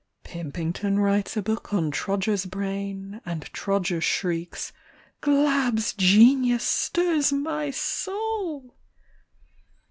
Pimpington writes a book on Trodger's brain. And Trodger shrieks :" Glabb's genius stirs my soul